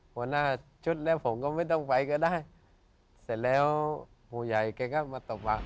หัวหน้าชุดแล้วผมก็ไม่ต้องไปก็ได้เสร็จแล้วผู้ใหญ่แกก็มาตบว่า